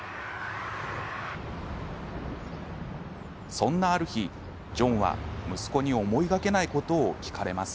そんな、ある日ジョンは息子に思いがけないことを聞かれます。